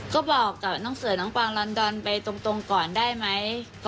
ก็บอกกับน้องเสือน้องปางลอนดอนไปตรงก่อนได้ไหม